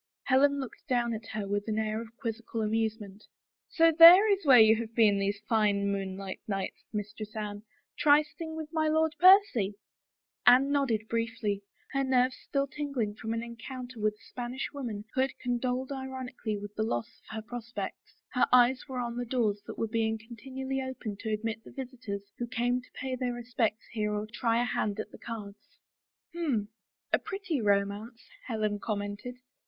Helen looked down at her with an air of quizzical amusement. *' So there is where you have been these fine moonlight nights, Mistress Anne — trysting with my Lord Percy ?" i6 ^ A BROKEN BETROTHAL Anne nodded briefly, her nerves still tingling from an encounter with a Spanish woman who had condoled ironically with her loss of prospects. Her eyes were on the doors that were being continually opened to admit the visitors who came to pay their respects here or try a hand at the cards. " H'm — a pretty romance," Helen commented.